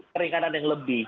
keringanan yang lebih